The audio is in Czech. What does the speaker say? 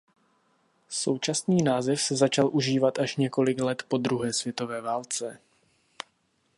Současný název se začal užívat až několik let po druhé světové válce.